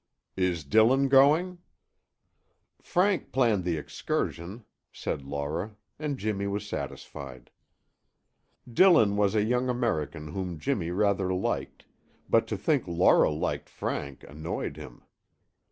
"Is Dillon going?" "Frank planned the excursion," said Laura and Jimmy was satisfied. Dillon was a young American whom Jimmy rather liked, but to think Laura liked Frank annoyed him.